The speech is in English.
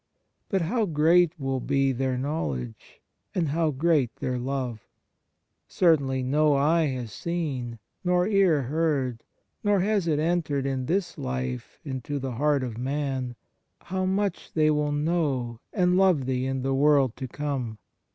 But how great will be their knowledge, and how great their love ! Certainly no eye has seen, nor ear heard, nor has it entered in this life into the heart of man, how much they will know, and love Thee in the world to come.